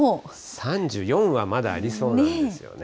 ３４はまだありそうなんですよね。